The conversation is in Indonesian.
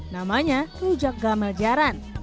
namanya rujak gamel jaran